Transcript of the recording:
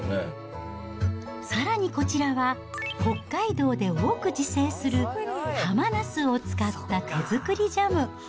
さらにこちらは、北海道で多く自生するハマナスを使った手作りジャム。